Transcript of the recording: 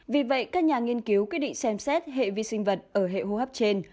vì vậy các nhà nghiên cứu quyết định xem xét hệ vi sinh vật ở hệ hô hấp trên